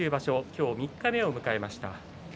今日三日目を迎えました。